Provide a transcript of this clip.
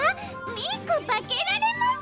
ミーコばけられます。